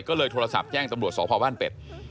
ก็เลยโทรศัพท์แจ้งตำรวจสพบ้านเป็ด